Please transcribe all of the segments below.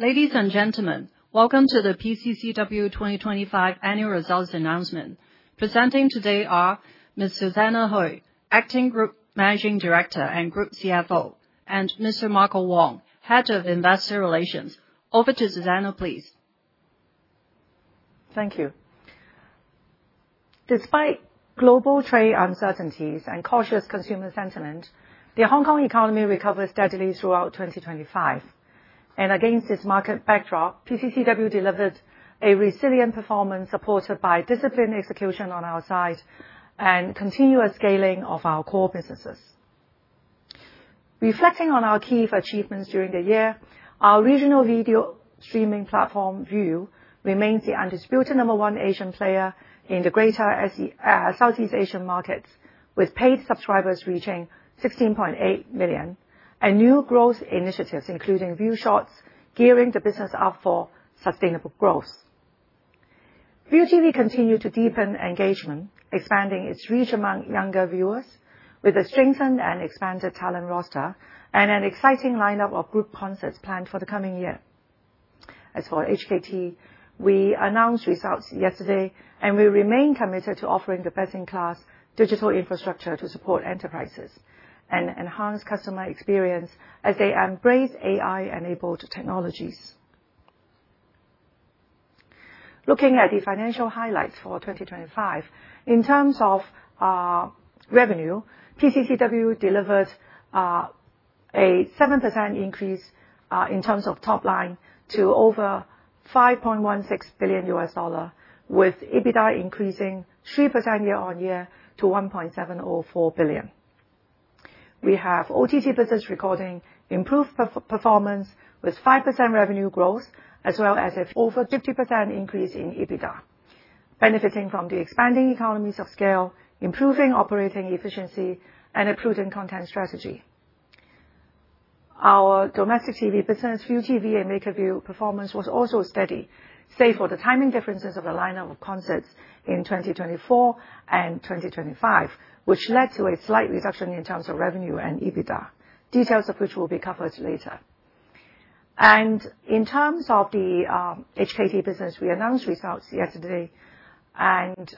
Ladies and gentlemen, welcome to the PCCW 2025 Annual Results Announcement. Presenting today are Ms. Susanna Hui, Acting Group Managing Director and Group CFO, and Mr. Marco Wong, Head of Investor Relations. Over to Susanna, please. Thank you. Despite global trade uncertainties and cautious consumer sentiment, the Hong Kong economy recovered steadily throughout 2025. Against this market backdrop, PCCW delivered a resilient performance, supported by disciplined execution on our side and continuous scaling of our core businesses. Reflecting on our key achievements during the year, our regional video streaming platform, Viu, remains the undisputed number one Asian player in the greater Southeast Asian markets, with paid subscribers reaching 16.8 million, and new growth initiatives, including Viu Shorts, gearing the business up for sustainable growth. ViuTV continued to deepen engagement, expanding its reach among younger viewers with a strengthened and expanded talent roster and an exciting lineup of group concerts planned for the coming year. As for HKT, we announced results yesterday, and we remain committed to offering the best-in-class digital infrastructure to support enterprises and enhance customer experience as they embrace AI-enabled technologies. Looking at the financial highlights for 2025, in terms of revenue, PCCW delivered a 7% increase in terms of top line to over $5.16 billion, with EBITDA increasing 3% year-on-year to $1.704 billion. We have OTT business recording improved performance, with 5% revenue growth, as well as an over 50% increase in EBITDA, benefiting from the expanding economies of scale, improving operating efficiency, and improving content strategy. Our domestic TV business, ViuTV and MakerVille, performance was also steady, save for the timing differences of the lineup of concerts in 2024 and 2025, which led to a slight reduction in terms of revenue and EBITDA, details of which will be covered later. In terms of the HKT business, we announced results yesterday, and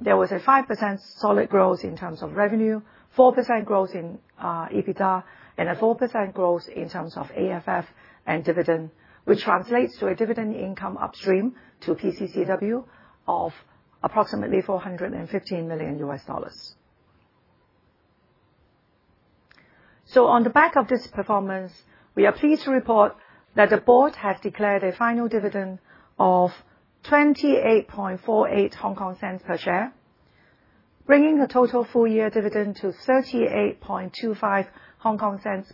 there was a 5% solid growth in terms of revenue, 4% growth in EBITDA, and a 4% growth in terms of AFF and dividend, which translates to a dividend income upstream to PCCW of approximately $415 million. On the back of this performance, we are pleased to report that the board has declared a final dividend of 0.2848 per share, bringing the total full-year dividend to 0.3825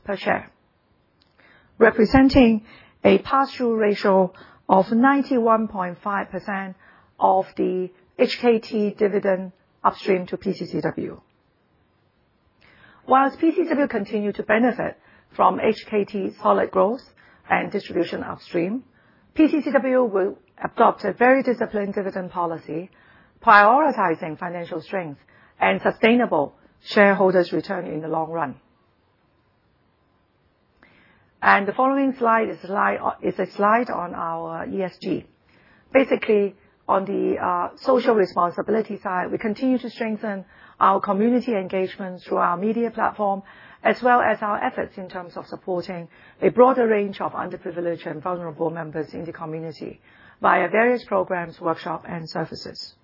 per share, representing a pass-through ratio of 91.5% of the HKT dividend upstream to PCCW. While PCCW continue to benefit from HKT's solid growth and distribution upstream, PCCW will adopt a very disciplined dividend policy, prioritizing financial strength and sustainable shareholders' return in the long run. The following slide is a slide on our ESG. Basically, on the social responsibility side, we continue to strengthen our community engagement through our media platform, as well as our efforts in terms of supporting a broader range of underprivileged and vulnerable members in the community via various programs, workshop, and services.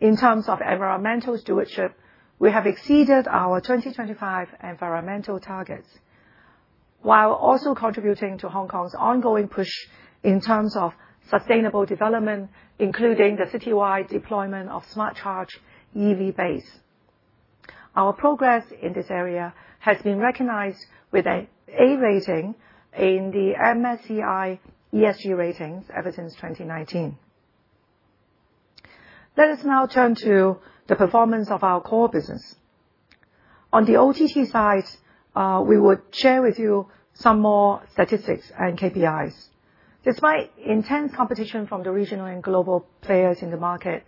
In terms of environmental stewardship, we have exceeded our 2025 environmental targets, while also contributing to Hong Kong's ongoing push in terms of sustainable development, including the citywide deployment of Smart Charge EV bays. Our progress in this area has been recognized with an A rating in the MSCI ESG ratings ever since 2019. Let us now turn to the performance of our core business. On the OTT side, we would share with you some more statistics and KPIs. Despite intense competition from the regional and global players in the market,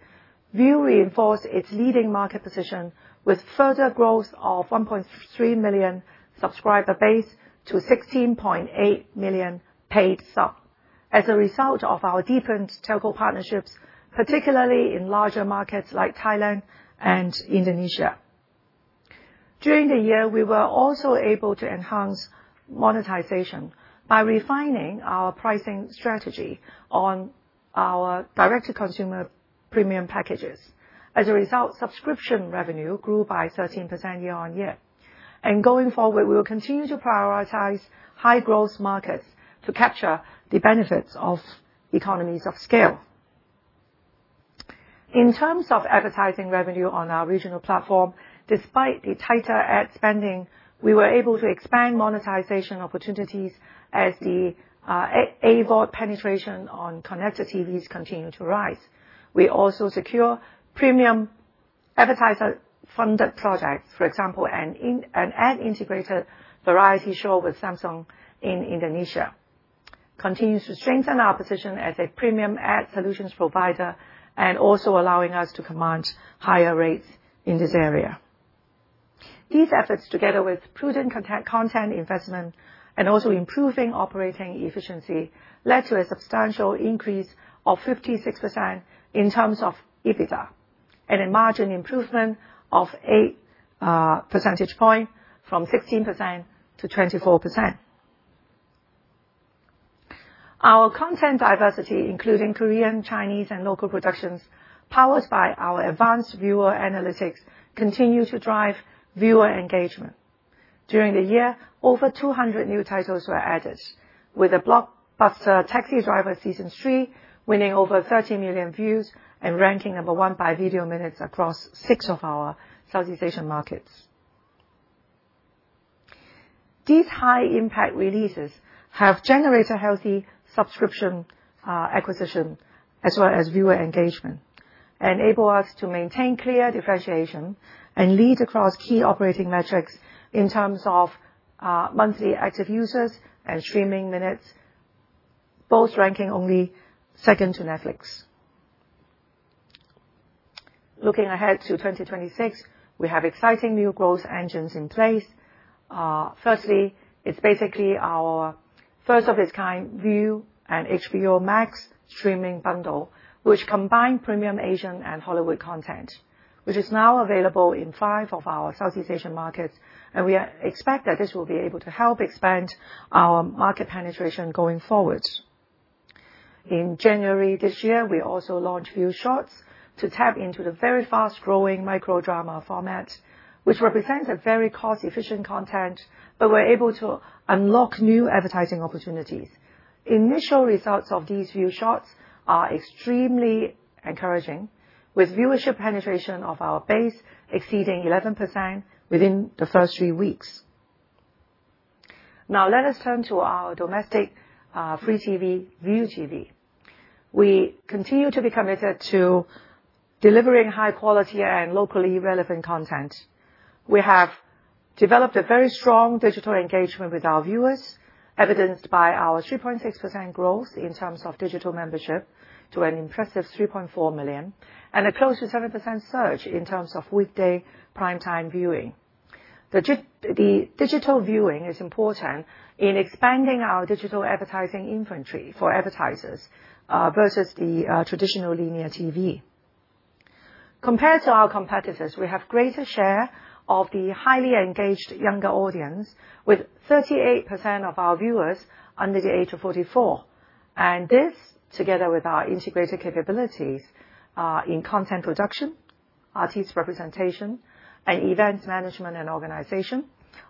Viu reinforced its leading market position with further growth of 1.3 million subscriber base to 16.8 million paid subs as a result of our deepened telco partnerships, particularly in larger markets like Thailand and Indonesia. During the year, we were also able to enhance monetization by refining our pricing strategy on our direct-to-consumer premium packages. As a result, subscription revenue grew by 13% year-on-year. Going forward, we will continue to prioritize high-growth markets to capture the benefits of economies of scale. In terms of advertising revenue on our regional platform, despite the tighter ad spending, we were able to expand monetization opportunities as the AVOD penetration on connected TVs continued to rise. We also secure premium advertiser-funded projects, for example, an ad-integrated variety show with Samsung in Indonesia, continues to strengthen our position as a premium ad solutions provider and also allowing us to command higher rates in this area. These efforts, together with prudent content investment and also improving operating efficiency, led to a substantial increase of 56% in terms of EBITDA, and a margin improvement of 8 percentage point from 16% to 24%. Our content diversity, including Korean, Chinese, and local productions, powered by our advanced viewer analytics, continue to drive viewer engagement. During the year, over 200 new titles were added, with a blockbuster Taxi Driver Season 3 winning over 30 million views and ranking number one by video minutes across six of our Southeast Asian markets. These high-impact releases have generated healthy subscription acquisition, as well as viewer engagement, enable us to maintain clear differentiation and lead across key operating metrics in terms of monthly active users and streaming minutes, both ranking only second to Netflix. Looking ahead to 2026, we have exciting new growth engines in place. Firstly, it's basically our first-of-its-kind Viu and HBO Max streaming bundle, which combine premium Asian and Hollywood content, which is now available in five of our Southeast Asian markets, and we expect that this will be able to help expand our market penetration going forward. In January this year, we also launched Viu Shorts to tap into the very fast-growing micro drama format, which represents a very cost-efficient content, but we're able to unlock new advertising opportunities. Initial results of these Viu Shorts are extremely encouraging, with viewership penetration of our base exceeding 11% within the first three weeks. Now, let us turn to our domestic free TV, ViuTV. We continue to be committed to delivering high quality and locally relevant content. We have developed a very strong digital engagement with our viewers, evidenced by our 3.6% growth in terms of digital membership to an impressive 3.4 million, and a close to 7% surge in terms of weekday primetime viewing. The digital viewing is important in expanding our digital advertising inventory for advertisers versus the traditional linear TV. Compared to our competitors, we have greater share of the highly engaged younger audience, with 38% of our viewers under the age of 44. And this, together with our integrated capabilities in content production, artist representation, and events management and organization,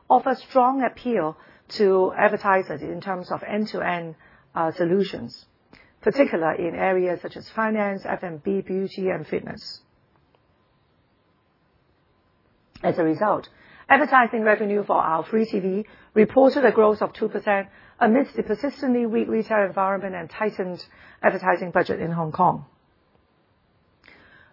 offer strong appeal to advertisers in terms of end-to-end solutions, particularly in areas such as finance, F&B, beauty, and fitness. As a result, advertising revenue for our free TV reported a growth of 2% amidst the persistently weak retail environment and tightened advertising budget in Hong Kong.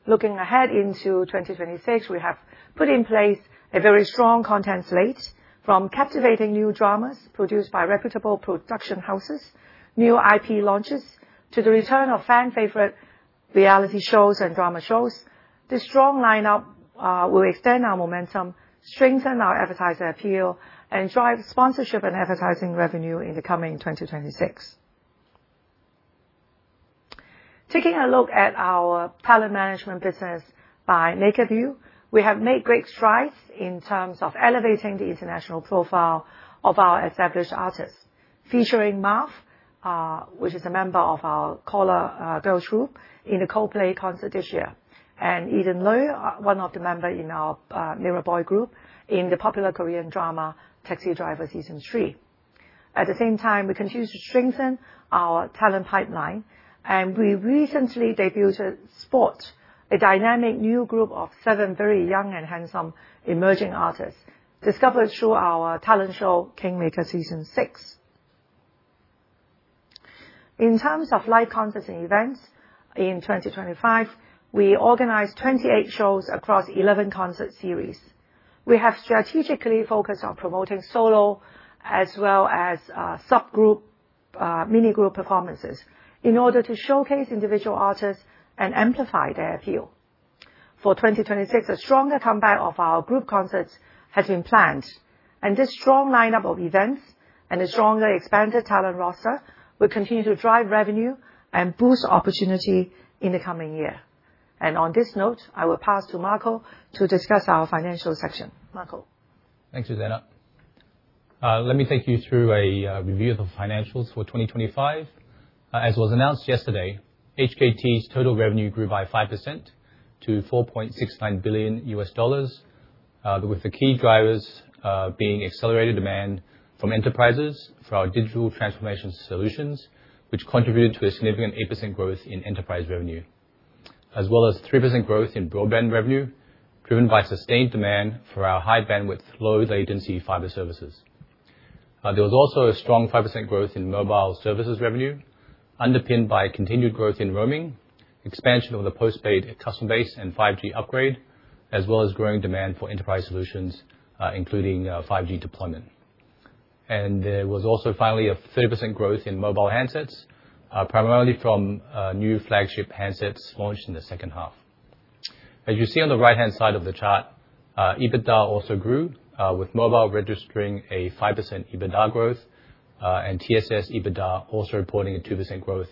Looking ahead into 2026, we have put in place a very strong content slate, from captivating new dramas produced by reputable production houses, new IP launches, to the return of fan-favorite reality shows and drama shows. This strong lineup will extend our momentum, strengthen our advertiser appeal, and drive sponsorship and advertising revenue in the coming 2026. Taking a look at our talent management business by MakerVille, we have made great strides in terms of elevating the international profile of our established artists, featuring Marf, which is a member of our COLLAR girls group, in the Coldplay concert this year, and Edan Lui, one of the member in our MIRROR boy group, in the popular Korean drama, Taxi Driver Season 3. At the same time, we continue to strengthen our talent pipeline, and we recently debuted ZPOT, a dynamic new group of seven very young and handsome emerging artists, discovered through our talent show, King Maker Season VI. In terms of live concerts and events, in 2025, we organized 28 shows across 11 concert series. We have strategically focused on promoting solo as well as subgroup, mini-group performances in order to showcase individual artists and amplify their appeal. For 2026, a stronger comeback of our group concerts has been planned, and this strong lineup of events and a stronger expanded talent roster will continue to drive revenue and boost opportunity in the coming year. On this note, I will pass to Marco to discuss our financial section. Marco? Thanks, Susanna. Let me take you through a review of the financials for 2025. As was announced yesterday, HKT's total revenue grew by 5% to $4.69 billion, with the key drivers being accelerated demand from enterprises for our Digital Transformation solutions, which contributed to a significant 8% growth in Enterprise revenue, as well as 3% growth in Broadband revenue, driven by sustained demand for our high bandwidth, low latency fiber services. There was also a strong 5% growth in Mobile Services revenue, underpinned by continued growth in roaming, expansion of the postpaid customer base and 5G upgrade, as well as growing demand for enterprise solutions, including 5G deployment. There was also finally a 30% growth in Mobile Handsets, primarily from new flagship handsets launched in the second half. As you see on the right-hand side of the chart, EBITDA also grew, with mobile registering a 5% EBITDA growth, and TSS EBITDA also reporting a 2% growth,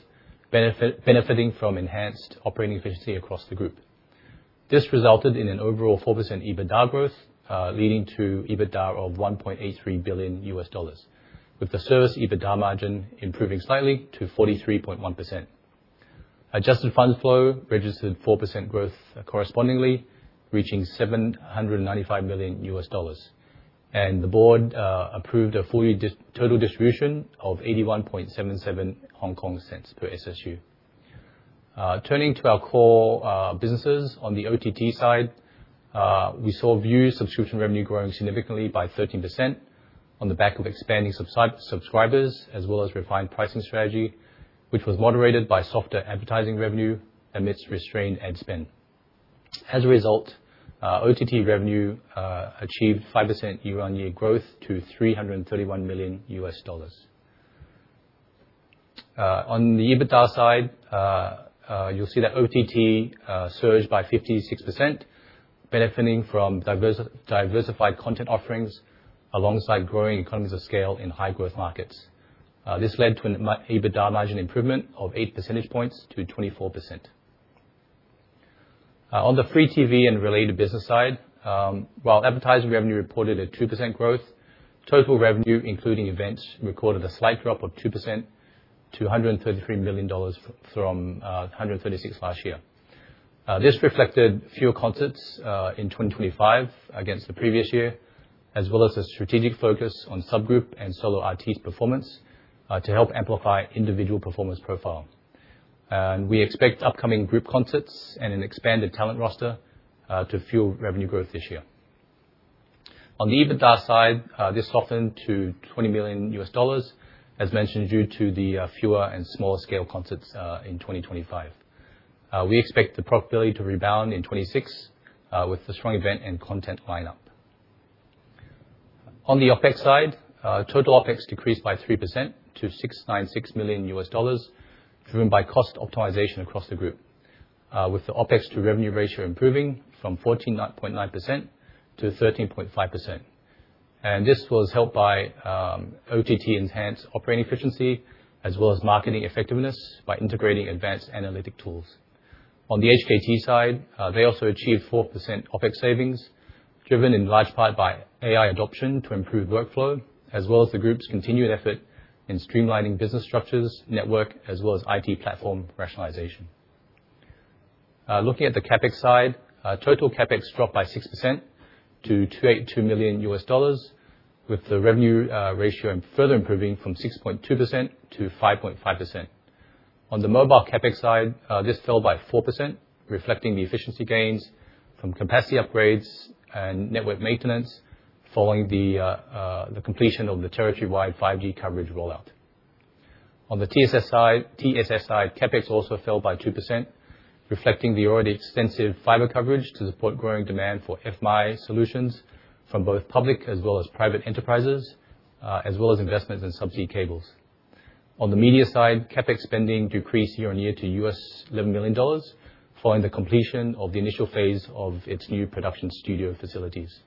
benefiting from enhanced operating efficiency across the group. This resulted in an overall 4% EBITDA growth, leading to EBITDA of $1.83 billion, with the service EBITDA margin improving slightly to 43.1%. Adjusted funds flow registered 4% growth correspondingly, reaching $795 million. The board approved a full year total distribution of 0.8177 per SSU. Turning to our core businesses. On the OTT side, we saw Viu subscription revenue growing significantly by 13% on the back of expanding subscribers, as well as refined pricing strategy, which was moderated by softer advertising revenue amidst restrained ad spend. As a result, OTT revenue achieved 5% year-on-year growth to $331 million. On the EBITDA side, you'll see that OTT surged by 56%, benefiting from diversified content offerings, alongside growing economies of scale in high growth markets. This led to an EBITDA margin improvement of 8 percentage points to 24%. On the free TV and related business side, while advertising revenue reported a 2% growth, total revenue, including events, recorded a slight drop of 2% to $133 million from $136 million last year. This reflected fewer concerts in 2025 against the previous year, as well as a strategic focus on subgroup and solo artist performance to help amplify individual performance profile. We expect upcoming group concerts and an expanded talent roster to fuel revenue growth this year. On the EBITDA side, this softened to $20 million, as mentioned, due to the fewer and smaller scale concerts in 2025. We expect the profitability to rebound in 2026 with the strong event and content lineup. On the OpEx side, total OpEx decreased by 3% to $696 million, driven by cost optimization across the group. With the OpEx to revenue ratio improving from 14.9% to 13.5%. This was helped by OTT enhanced operating efficiency, as well as marketing effectiveness by integrating advanced analytic tools. On the HKT side, they also achieved 4% OpEx savings, driven in large part by AI adoption to improve workflow, as well as the group's continued effort in streamlining business structures, network, as well as IT platform rationalization. Looking at the CapEx side, total CapEx dropped by 6% to $282 million, with the revenue ratio further improving from 6.2% to 5.5%. On the mobile CapEx side, this fell by 4%, reflecting the efficiency gains from capacity upgrades and network maintenance following the completion of the territory-wide 5G coverage rollout. On the TSS side, TSS side, CapEx also fell by 2%, reflecting the already extensive fiber coverage to support growing demand for FMC solutions from both public as well as private enterprises, as well as investments in subsea cables. On the media side, CapEx spending decreased year-on-year to $11 million, following the completion of the initial phase of its new production studio facilities.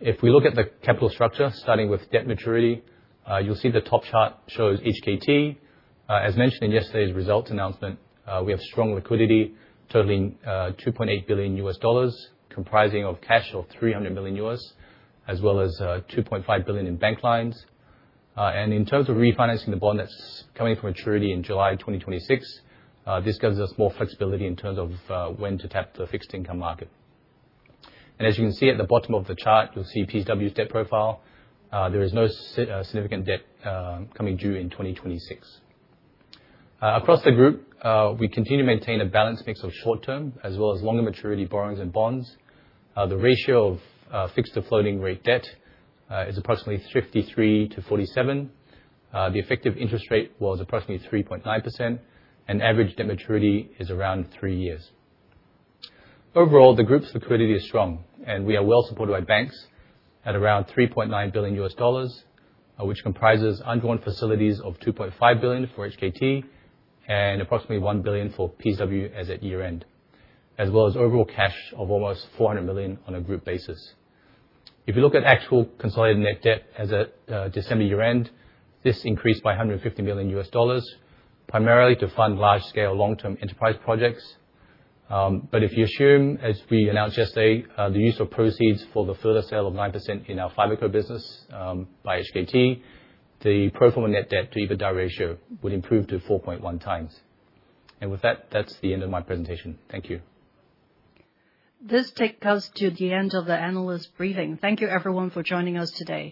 If we look at the capital structure, starting with debt maturity, you'll see the top chart shows HKT. As mentioned in yesterday's results announcement, we have strong liquidity totaling $2.8 billion, comprising of cash of $300 million, as well as $2.5 billion in bank lines. In terms of refinancing the bond that's coming from maturity in July 2026, this gives us more flexibility in terms of when to tap the fixed income market. As you can see at the bottom of the chart, you'll see PCCW's debt profile. There is no significant debt coming due in 2026. Across the group, we continue to maintain a balanced mix of short term as well as longer maturity borrowings and bonds. The ratio of fixed to floating rate debt is approximately 53%-47%. The effective interest rate was approximately 3.9%, and average debt maturity is around three years. Overall, the group's liquidity is strong, and we are well supported by banks at around $3.9 billion, which comprises undrawn facilities of $2.5 billion for HKT and approximately $1 billion for PCCW as at year-end, as well as overall cash of almost $400 million on a group basis. If you look at actual consolidated net debt as at December year-end, this increased by $150 million, primarily to fund large-scale long-term enterprise projects. But if you assume, as we announced yesterday, the use of proceeds for the further sale of 9% in our FiberCo business by HKT, the pro forma net debt to EBITDA ratio would improve to 4.1x. And with that, that's the end of my presentation. Thank you. This takes us to the end of the analyst briefing. Thank you everyone for joining us today.